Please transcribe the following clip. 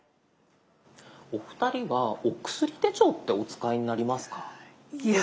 お二人はお薬手帳ってお使いになりますか？